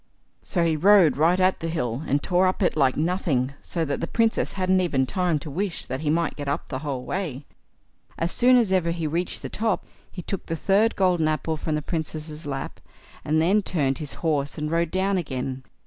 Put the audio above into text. So he rode right at the hill, and tore up it like nothing, so that the Princess hadn't even time to wish that he might get up the whole way. As soon as ever he reached the top, he took the third golden apple from the Princess' lap, and then turned his horse and rode down again.